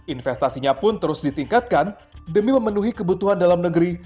investasinya pun terus ditingkatkan demi memenuhi kebutuhan dalam negeri